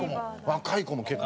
若い子も結構。